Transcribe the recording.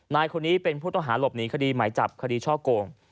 นายคนนี้เป็นผู้ต้องหาหลบหนีคดีหมายจับคดีช่อโกง